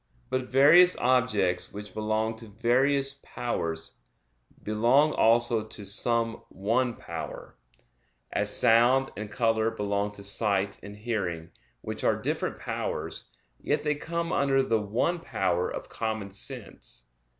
But various objects which belong to various powers, belong also to some one power; as sound and color belong to sight and hearing, which are different powers, yet they come under the one power of common sense.